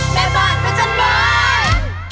แม่บ้านประจันบาล